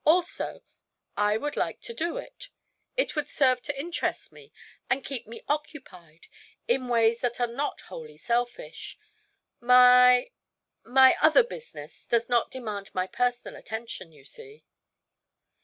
Also I would like to do it. It would serve to interest me and keep me occupied in ways that are not wholly selfish. My my other business does not demand my personal attention, you see."